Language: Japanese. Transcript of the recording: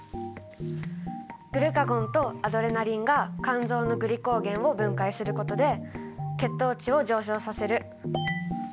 グルカゴンとアドレナリンが肝臓のグリコーゲンを分解することで血糖値を上昇させる。